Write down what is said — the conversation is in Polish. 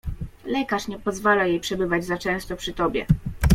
— Lekarz nie pozwala przebywać jej za często przy tobie.